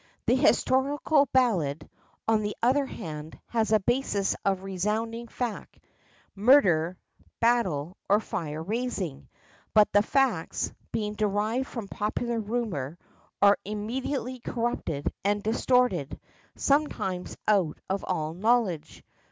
The Historical ballad, on the other hand, has a basis of resounding fact, murder, battle, or fire raising, but the facts, being derived from popular rumour, are immediately corrupted and distorted, sometimes out of all knowledge.